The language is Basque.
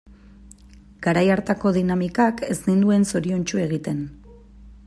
Garai hartako dinamikak ez ninduen zoriontsu egiten.